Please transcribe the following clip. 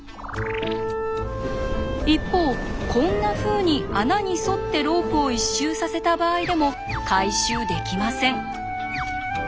一方こんなふうに穴に沿ってロープを一周させた場合でも回収できません。